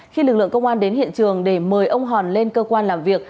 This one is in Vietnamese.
khi lực lượng công an đến hiện trường để mời ông hòn lên cơ quan làm việc